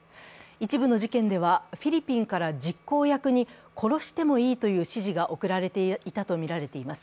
一部の事件では、フィリピンから実行役に殺してもいいという指示が送られていたとみられています。